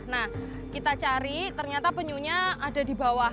nah kita cari ternyata penyunya ada di bawah